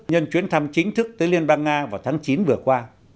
nhân chuyến thăm chính thức tới liên bang nga vào tháng chín vừa qua